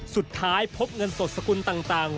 สุดท้ายพบเงินสดสกุลต่าง